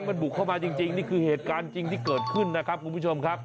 มันบุกเข้ามาจริงนี่คือเหตุการณ์จริงที่เกิดขึ้นนะครับคุณผู้ชมครับ